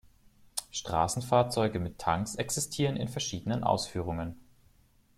Straßenfahrzeuge mit Tanks existieren in verschiedenen Ausführungen.